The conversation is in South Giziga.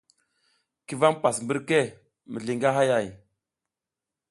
Ki vam hipas mbirke mizliy ngi hayay ?